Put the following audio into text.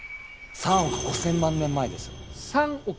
３億５，０００万年前。